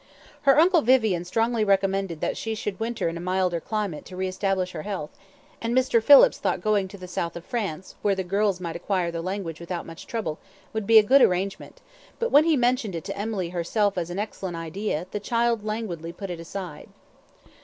Her uncle Vivian strongly recommended that she should winter in a milder climate to re establish her health, and Mr. Phillips thought going to the south of France, where the girls might acquire the language without much trouble, would be a good arrangement; but when he mentioned it to Emily herself as an excellent idea, the child languidly put it aside.